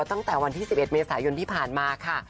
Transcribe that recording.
ตั้งแต่วันที่๑๑เมษายนที่ผ่านมาค่ะ